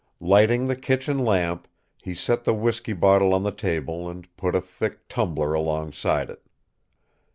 Lighting the kitchen lamp, he set the whisky bottle on the table and put a thick tumbler alongside it.